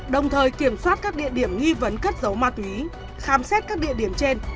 đồng thời kiểm soát các địa điểm nghi vấn cất dấu ma túy khám xét các địa điểm trên